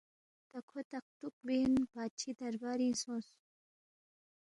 تا کھو تق تُوک بین بادشی دربارِنگ سونگس